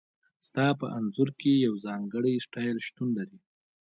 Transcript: ستا په انځور کې یو ځانګړی سټایل شتون لري